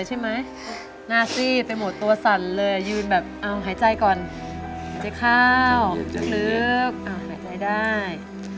เจ๊ข้าวหายใจได้